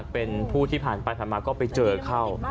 เป็นผู้ที่ผ่านไปผ่านมาก็ไปเจอเข้า